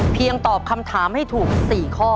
เพียงตอบคำถามคุณ